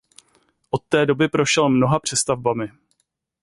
Od té doby prošel mnoha přestavbami.